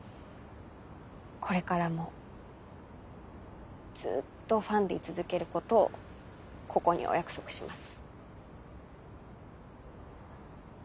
これからもずっとファンで居続けることをここにお約束します。